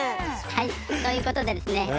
はいということでですね